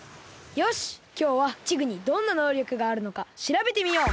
よしきょうはチグにどんなのうりょくがあるのかしらべてみよう。